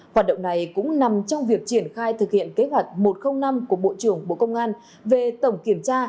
hoạt động này cũng nằm trong việc triển khai thực hiện kế hoạch một trăm linh năm của bộ trưởng bộ công an về tổng kiểm tra